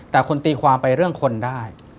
แต่คุณตีความไปเรื่องคนได้